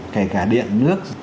kể cả điện nước